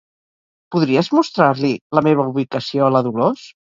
Podries mostrar-li la meva ubicació a la Dolors?